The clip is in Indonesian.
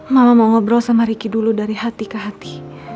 mama mau ngobrol sama ricky dulu dari hati ke hati